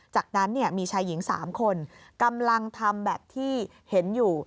จากนั้นมีชายหญิง๓คนกำลังทำแบบที่เห็นอยู่